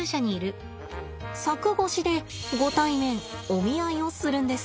柵越しでご対面お見合いをするんです。